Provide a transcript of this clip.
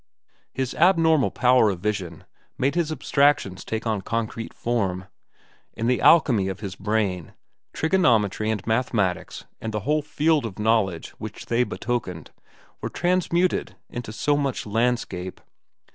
His abnormal power of vision made abstractions take on concrete form. In the alchemy of his brain, trigonometry and mathematics and the whole field of knowledge which they betokened were transmuted into so much landscape.